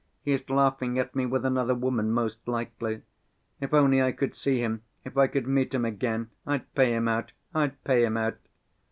He is laughing at me with another woman, most likely. If only I could see him, if I could meet him again, I'd pay him out, I'd pay him out!